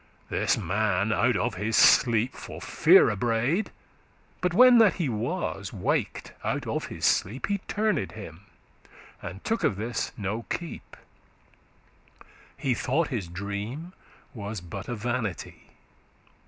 This man out of his sleep for fear abraid;* *started But when that he was wak'd out of his sleep, He turned him, and *took of this no keep;* *paid this no attention* He thought his dream was but a vanity.